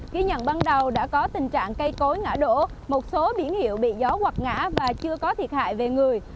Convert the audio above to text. ký nhận ban đầu đã có tình trạng cây cối ngã đổ một số biển hiệu bị gió hoặc ngã và chưa có thiệt hại về người